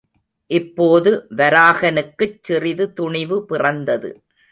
இப்போது வராகனுக்குச் சிறிது துணிவு பிறந்தது.